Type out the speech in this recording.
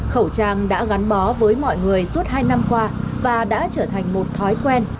khẩu trang đã gắn bó với mọi người suốt hai năm qua và đã trở thành một thói quen